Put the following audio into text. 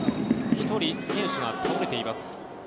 １人選手が倒れています。